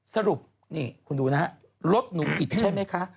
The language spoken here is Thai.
สรุปนี่คุณดูนะฮะรถหนูผิดใช่ไหมคะ